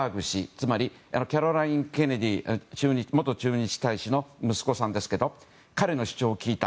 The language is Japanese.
つまり、キャロライン・ケネディ元駐日大使の息子さんですが彼の主張を聞いた。